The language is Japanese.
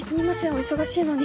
お忙しいのに。